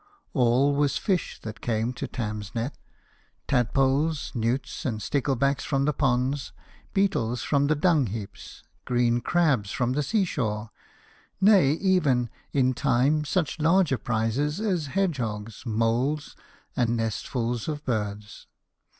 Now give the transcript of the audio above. All was fish that came to Tarn's net : tadpoles, newts, and stickleback from the ponds, beetles frori the dung heaps, green crabs from the sea shore nay, even in time such larger prizes as hedgehogs, moles, and nestfuls of birds.